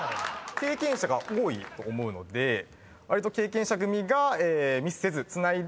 経験者が多いと思うのでわりと。